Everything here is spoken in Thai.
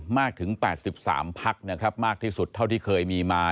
มากถึง๘๓พักนะครับมากที่สุดเท่าที่เคยมีมา